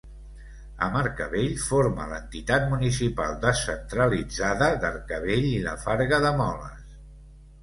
Amb Arcavell forma l'entitat municipal descentralitzada d'Arcavell i la Farga de Moles.